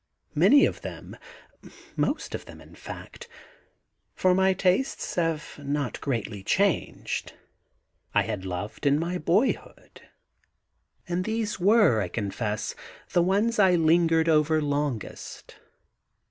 Many of them, most of them in fact — for my tastes have not greatly changed — I had loved in my boyhood, and these were, I confess, the ones I lingered over longest.